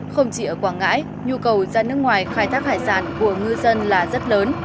không chỉ ở quảng ngãi nhu cầu ra nước ngoài khai thác hải sản của ngư dân là rất lớn